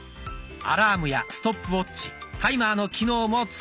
アラームやストップウォッチタイマーの機能も使えます。